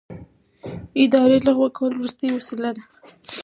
اداري لغوه کول وروستۍ وسیله ده.